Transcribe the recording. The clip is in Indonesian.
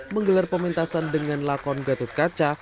menggelar pementasan dengan lakon gatut kaca